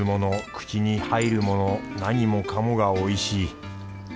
口に入るもの何もかもがおいしい。